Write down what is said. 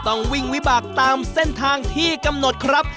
ต้องวิ่งวิบากตามเส้นทางที่กำหนดครับ